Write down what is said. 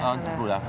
oh untuk rudal